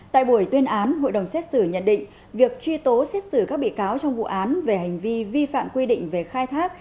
tại buổi tuyên án hội đồng xét xử nhận định việc truy tố xét xử các bị cáo trong vụ án về hành vi vi phạm quy định về khai thác